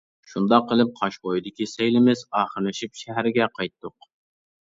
شۇنداق قىلىپ، قاش بويىدىكى سەيلىمىز ئاخىرلىشىپ شەھەرگە قايتتۇق.